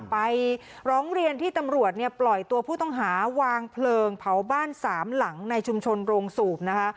ไปร้องเรียนที่ตำรวจเนี่ยปล่อยตัวผู้ต้องหาวางเพลิงเผาบ้านสามหลังในชุมชนโรงสูบนะคะ